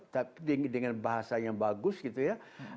tapi dengan bahasanya bagus gitu ya